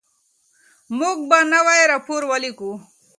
موږ به نوی راپور ولیکو.